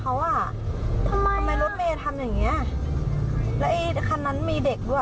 แล้วไอ้คันนั้นมีเด็กด้วยเอาป้องไปเปิดให้พ่อดูดิ